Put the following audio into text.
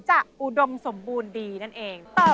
อุดมสมบูรณ์ดีนั่นเอง